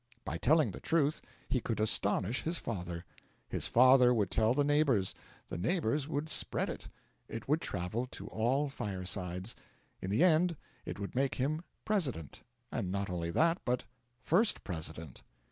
By telling the truth he could astonish his father; his father would tell the neighbours; the neighbours would spread it; it would travel to all firesides; in the end it would make him President, and not only that, but First President.